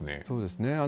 そうですね。